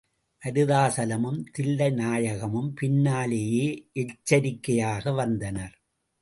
மருதாசலமும் தில்லைநாயகமும் பின்னாலே எச்சரிக்கையாக வந்தனர்.